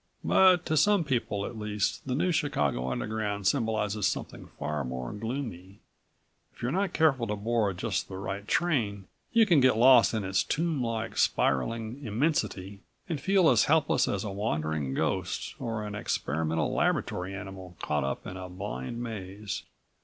But to some people at least the New Chicago Underground symbolizes something far more gloomy. If you're not careful to board just the right train you can get lost in its tomblike, spiraling immensity and feel as helpless as a wandering ghost or an experimental laboratory animal caught up in a blind maze.